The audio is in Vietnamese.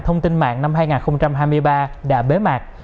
thông tin mạng năm hai nghìn hai mươi ba đã bế mạc